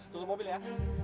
tutup mobil ya